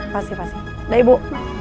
pasti pasti yaudah ibu